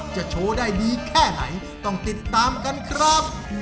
โชว์ได้ดีแค่ไหนต้องติดตามกันครับ